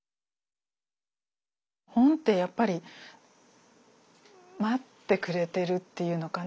本ってやっぱり待ってくれているっていうのかな。